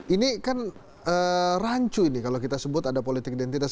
ini kan rancu ini kalau kita sebut ada politik identitas